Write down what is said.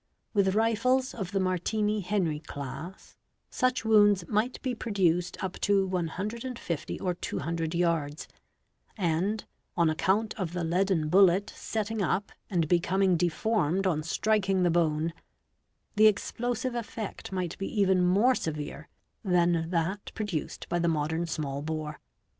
With rifles of the Martini Henry class, such wounds might be produced up to 150 or 200 yards, and, on account of the leaden bullet setting up and becoming deformed on striking the bone, the explosive effect might be — even more severe than that produced by the modern small bore.